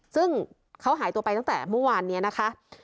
ซึ่งเขาหายตัวไปตั้งแต่เมื่อวานนี้นะคะ